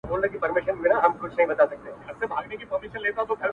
o ماهېره که ـ